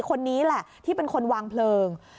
คนนี้แหละที่เป็นคนวางเพลิง